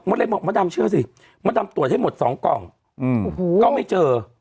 เลยบอกมดดำเชื่อสิมดดำตรวจให้หมดสองกล่องก็ไม่เจอ